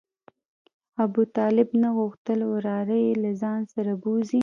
ابوطالب نه غوښتل وراره یې له ځان سره بوځي.